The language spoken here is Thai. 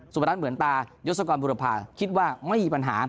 สุประทัศน์เหมือนตายศกรรมภูมิภาคิดว่าไม่มีปัญหา